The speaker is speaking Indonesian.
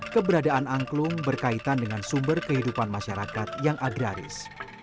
keberadaan angklung berkaitan dengan sumber kehidupan masyarakat yang agraris